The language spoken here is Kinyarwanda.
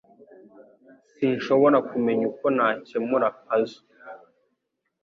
Sinshobora kumenya uko nakemura puzzle